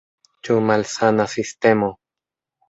Ĉu malsana sistemo?